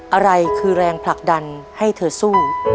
อะไรคือแรงผลักดันให้เธอสู้